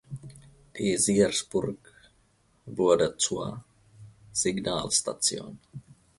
Die Siersburg wurde zur Signal-Station.